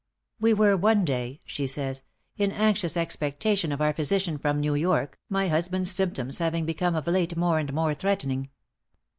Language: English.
"We were one day," she says, "in anxious expectation of our physician from New York, my husband's symptoms having become of late more and more threatening.